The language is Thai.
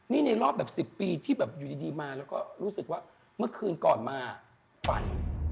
นี่ในรอบ๑๐ปีจากก็รู้สึกว่าเมื่อคืนก่อนมาฝัน